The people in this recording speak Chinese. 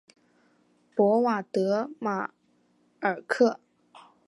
博瓦德马尔克。